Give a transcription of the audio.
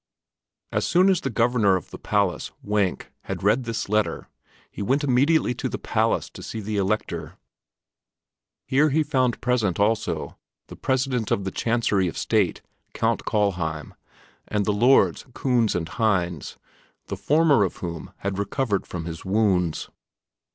As soon as the Governor of the Palace, Wenk, had read this letter, he went immediately to the palace to see the Elector; here he found present also the President of the Chancery of State, Count Kallheim, and the lords Kunz and Hinz, the former of whom had recovered from his wounds.